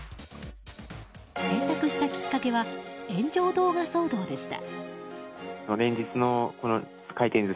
制作したきっかけは炎上動画騒動でした。